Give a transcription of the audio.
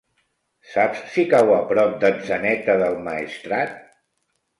Saps si cau a prop d'Atzeneta del Maestrat?